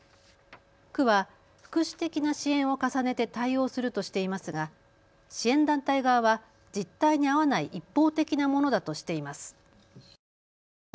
区は福祉的な支援を重ねて対応するとしていますが支援団体側は実態に合わない一方的なものだとしています。